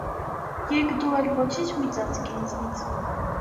Եկ դու էլ ոչինչ մի ծածկիր ինձնից.